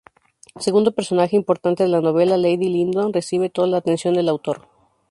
Segundo personaje importante de la novela, Lady Lyndon recibe toda la atención del autor.